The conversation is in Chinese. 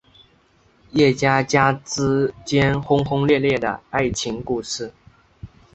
叶家家之间轰轰烈烈的爱情故事。